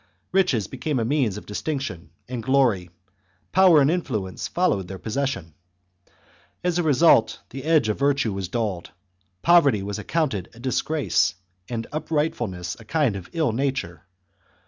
Riches XII. became a means of distinction and glory, power and influence followed their possession. As a result the edge of virtue was dulled, poverty was accounted a disgrace, and uprightness a kind of ill nature.